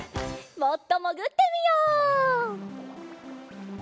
もっともぐってみよう。